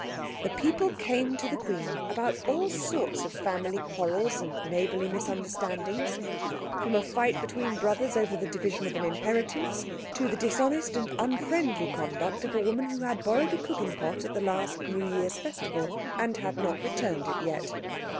The people came to the Queen about all sorts of family quarrels and neighbourly misunderstandings—from a fight between brothers over the division of an inheritance, to the dishonest and unfriendly conduct of a woman who had borrowed a cooking pot at the last New Year's festival, and not returned it yet.